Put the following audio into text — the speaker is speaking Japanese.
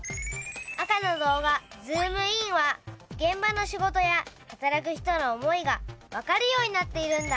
赤の動画「ズームイン」は現場の仕事や働く人の思いがわかるようになっているんだ。